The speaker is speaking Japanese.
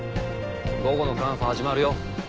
午後のカンファ始まるよ。